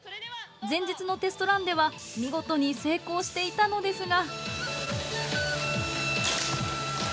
前日のテストランでは見事に成功していたのですが。